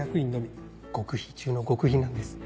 極秘中の極秘なんです。